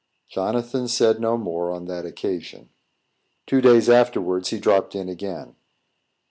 Jonathan said no more on that occasion. Two days afterwards, he dropped in again.